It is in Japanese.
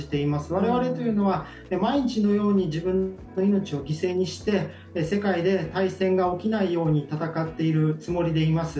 我々というのは毎日のように自分の命を犠牲にして世界で大戦が起きないように戦っているつもりでいます。